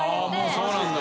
もうそうなんだ。